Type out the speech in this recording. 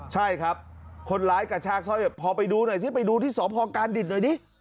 ใช่ครับคนร้ายกระชากสร้อยพอไปดูหน่อยซิไปดูที่สพการดิตหน่อยดิ